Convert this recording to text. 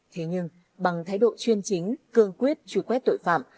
thế nhưng bằng thái độ chuyên chính cương quyết truy quét tội phạm